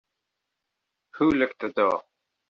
Who locked the door?